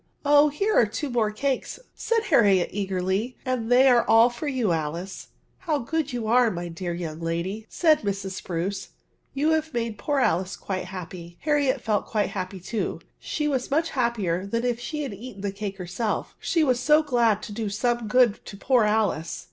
'* Oh, here are two more cakes," said Haziiet, eagerly, '^ and they are all for you, AHce.'' " How good you are, my dear young lady," said Mrs. Spruce, " you have made poor Alice quite happy." Harriet felt quite happy too : she was much happier than if she had. eaten the cake herself; she was so glad to do some good to poor Alice.